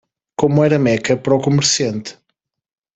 como era Meca para o comerciante.